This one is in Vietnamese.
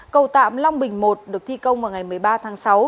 cầu tạm long bình i được thi công vào ngày một mươi ba tháng sáu